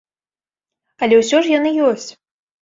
Але ўсё ж яны ёсць.